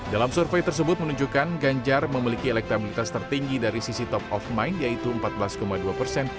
dalam survei tersebut menunjukkan ganjar memiliki elektabilitas tertinggi dari sisi top of mind yaitu empat belas dua persen